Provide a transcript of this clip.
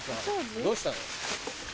どうしたの？